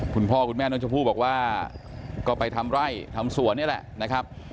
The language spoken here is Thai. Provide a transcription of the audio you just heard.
คุณพ่อคุณแม่น้องชมพู่บอกว่าก็ไปทำไร่ทำสวนนี่แหละนะครับ